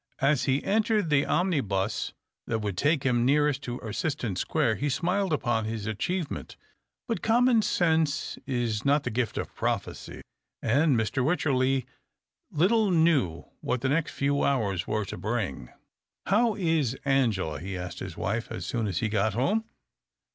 As he entered the omnibus that would take him nearest to Erciston Square, he smiled upon his achievement. But common sense is not the gift of prophecy, and Mr. Wycherley little knew what the next few hours were to bring forth. " How is Angela ?" he asked his wife as soon as he got home.